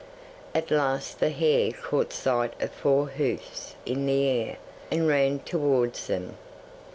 At last the hare caught sight of four hoofs in the air, and ran towards them.